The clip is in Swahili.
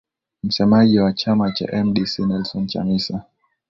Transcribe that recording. msemaji wa chama cha mdc nelson chamisa